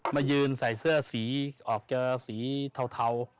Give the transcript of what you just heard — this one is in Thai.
มายืนใส่เสื้อสีเหาะเกยะสีเทา